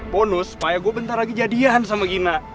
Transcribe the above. bonus supaya gue bentar lagi jadian sama gina